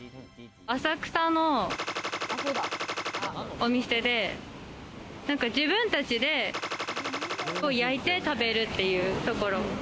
浅草のお店で、自分たちでを焼いて食べるっていうところ。